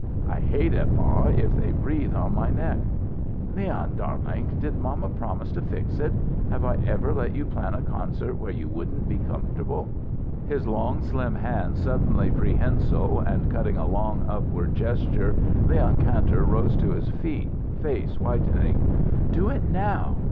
"I hate it, ma, if they breathe on my neck." "Leon darlink, did mamma promise to fix it? Have I ever let you plan a concert where you wouldn't be comfortable?" His long, slim hands suddenly prehensile and cutting a long, upward gesture, Leon Kantor rose to his feet, face whitening. "Do it now!